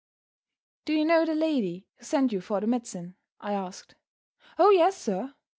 "Do you know the lady who sent you for the medicine?" I asked. "Oh yes, sir!